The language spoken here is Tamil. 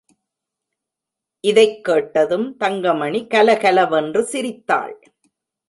இதைக் கேட்டதும் தங்கமணி கலகலவென்று சிரித்தாள்.